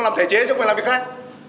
làm thể chế chứ không phải làm việc khác